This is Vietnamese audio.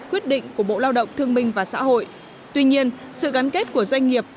quyết định của bộ lao động thương minh và xã hội tuy nhiên sự gắn kết của doanh nghiệp